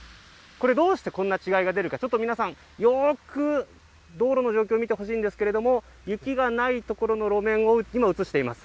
どうしてこんな違いが出るか皆さんよく道路の状況を見てほしいんですが雪がないところの路面を映しています。